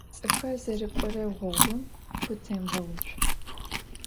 ЦӀыфхэр зэрыкӀорэ гъогум ку темгъэуцу.